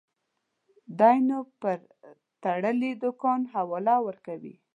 دى نو پر تړلي دوکان حواله ورکوي.